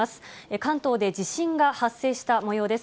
関東で地震が発生したもようです。